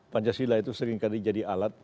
pancasila itu seringkali jadi alat